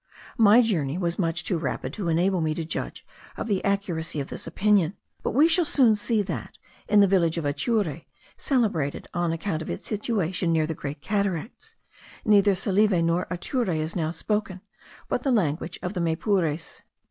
My journey was much too rapid to enable me to judge of the accuracy of this opinion; but we shall soon see that, in the village of Ature, celebrated on account of its situation near the great cataracts, neither the Salive nor the Ature is now spoken, but the language of the Maypures.